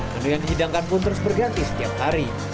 menu yang dihidangkan pun terus berganti setiap hari